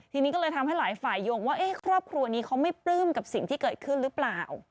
ทีนี้ก็เลยทำให้หลายฝ่ายยงว่าครอบครัวนี้เขาไม่ปลื้มกับสิ่งที่เกิดขึ้นหรือเปล่า